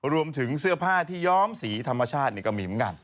รวมถึงเสื้อผ้าที่ย้อมสีธรรมชาตินี่ก็มีเหมือนกัน